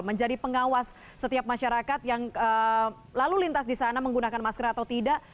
menjadi pengawas setiap masyarakat yang lalu lintas di sana menggunakan masker atau tidak